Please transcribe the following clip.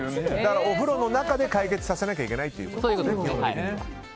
お風呂の中で解決させないといけないということですね。